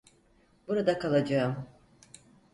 Burada kalacağım.